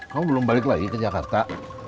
kamu belum balik lagi ke jakarta